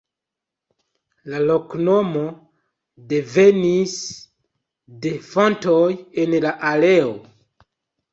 La loknomo devenis de fontoj en la areo.